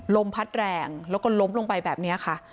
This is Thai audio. ลมพัดแรงแล้วก็ล้มลงไปแบบนี้ค่ะ